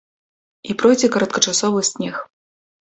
І пройдзе кароткачасовы снег.